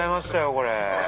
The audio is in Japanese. これ。